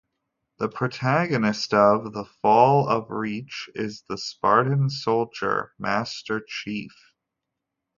The protagonist of "The Fall of Reach" is the Spartan soldier Master Chief.